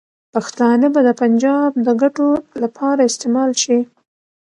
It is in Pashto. پښتانه به د پنجاب د ګټو لپاره استعمال شي.